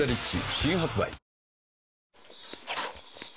新発売